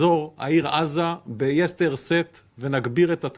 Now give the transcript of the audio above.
kota gaza akan dikejar dan mengejar serangan